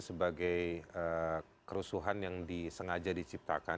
sebagai kerusuhan yang disengaja diciptakan